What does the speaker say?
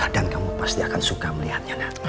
dan kamu pasti akan suka melihatnya